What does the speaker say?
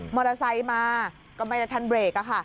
มอเตอร์ไซค์มาก็ไม่ได้ทันเบรกอะค่ะ